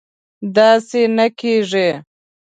داسې نه کېږي